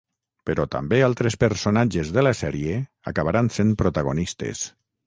Però també altres personatges de la sèrie acabaran sent protagonistes.